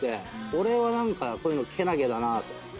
俺は何かこういうのけなげだなと。